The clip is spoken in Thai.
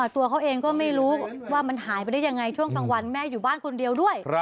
ตัวเขาเองก็ไม่รู้ว่ามันหายไปได้ยังไงช่วงกลางวันแม่อยู่บ้านคนเดียวด้วย